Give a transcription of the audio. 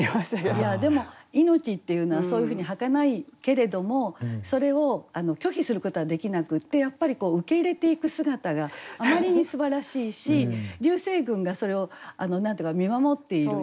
いやでも命っていうのはそういうふうにはかないけれどもそれを拒否することはできなくってやっぱり受け入れていく姿があまりにすばらしいし流星群がそれを何て言うか見守っている。